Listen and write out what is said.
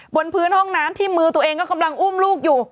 บนพื้นห้องน้ำที่มือตัวเองก็กำลังอุ้มลูกอยู่